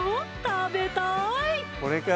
食べたい！